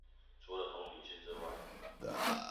除了同理心之外